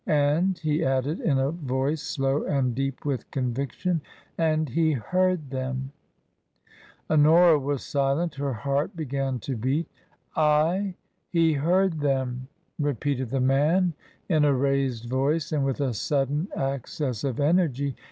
And," he added, in a voice slow and deep with conviction, " and — He Iteard them" Honora was silent. Her heart began to beat. " Ay ! He heard them," repeated the man, in a raised voice and with a sudden access of energy.